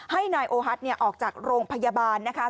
ให้นายโอฮัทออกจากโรงพยาบาลนะคะ